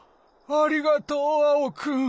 ありがとうアオくん！